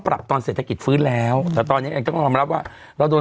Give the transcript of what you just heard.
ปรับตอนเศรษฐกิจฟื้นแล้วแต่ตอนนี้ต้องรับว่าเราโดน